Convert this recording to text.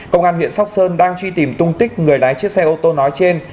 công an huyện sóc sơn đang truy tìm tung tích người lái chiếc xe ô tô nói trên